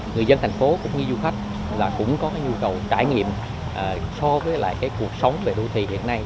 người dân thành phố cũng như du khách cũng có nhu cầu trải nghiệm so với cuộc sống về đô thị hiện nay